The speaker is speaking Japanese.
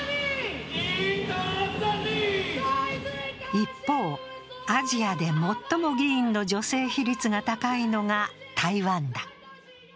一方、アジアで最も議員の女性比率が高いのが台湾だ。